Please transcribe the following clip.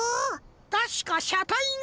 たしかしゃたいが。